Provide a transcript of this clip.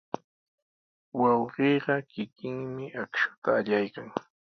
Wawqiiqa kikinmi akshuta allaykan.